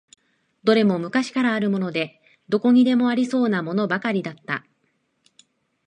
どれも昔からあるもので、どこにでもありそうなものばかりだった。